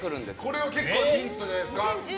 これは結構ヒントじゃないですか。